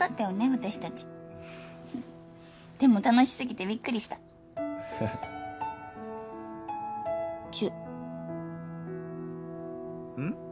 私達でも楽しすぎてびっくりしたチューうん？